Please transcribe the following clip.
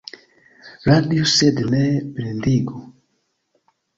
Radiu sed ne blindigu.